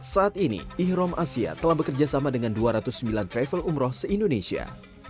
saat ini ikhrom asia telah bekerja sama dengan dua ratus sembilan travel umroh se indonesia